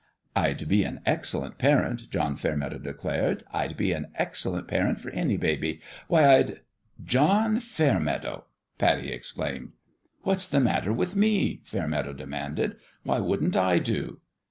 " I'd be an excellent parent," John Fairmeadow declared. " I'd be an excellent parent for any baby. Why, I'd "" John Fairmeadow !" Pattie exclaimed. " What's the matter with me ?" Fairmeadow demanded, " Why wouldn't I do